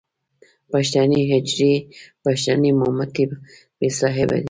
پښتنې حجرې، پښتنې مامتې بې صاحبه دي.